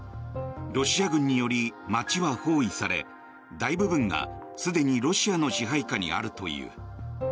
ロシア軍により街は包囲され大部分がすでにロシアの支配下にあるという。